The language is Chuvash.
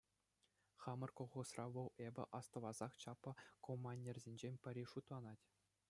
Хамӑр колхозра вӑл эпӗ астӑвассах чаплӑ комбайнерсенчен пӗри шутланать.